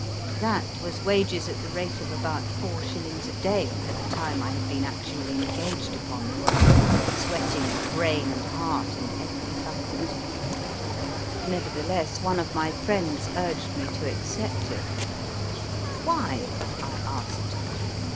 That was wages at the rate of about four shillings a day for the time I had been actually engaged upon the work, sweating brain and heart and every faculty. Nevertheless, one of my friends urged me to accept it. Why ? I asked.